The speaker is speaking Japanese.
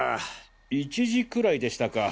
１時くらいでしたか。